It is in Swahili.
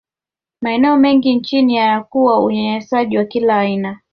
maeneo mengi nchini yanakuwa unyanyasaji wa kila aina